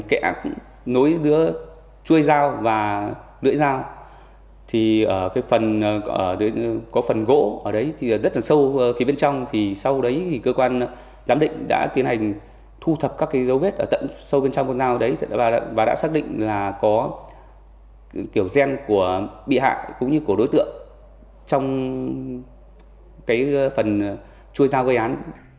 giữa chuôi dao và lưỡi dao thì có phần gỗ ở đấy thì rất là sâu phía bên trong thì sau đấy thì cơ quan giám định đã tiến hành thu thập các dấu vết ở tận sâu bên trong con dao đấy và đã xác định là có kiểu gen của bị hại cũng như của đối tượng trong phần chuôi dao gây án